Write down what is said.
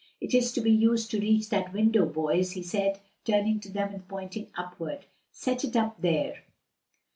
"It is to be used to reach that window, boys," he said, turning to them and pointing upward. "Set it up there."